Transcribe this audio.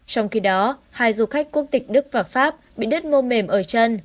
trong khi đó hai du khách quốc tịch đức và pháp bị đất mô mềm ở chân